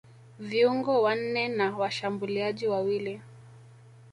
viungo wanne na washambuliaji wawili